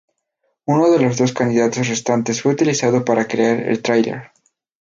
Uno de los dos candidatos restantes fue utilizado para crear el tráiler.